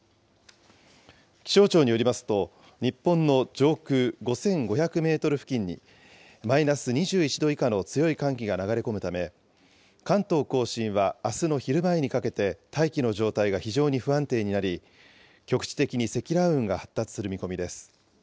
気象庁によりますと、日本の上空５５００メートル付近にマイナス２１度以下の強い寒気が流れ込むため、関東甲信はあすの昼前にかけて、大気の状態が非常に不安定になり、局地的に積乱雲が発達する見込みです。